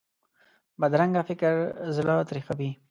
بدرنګه فکر زړه تریخوي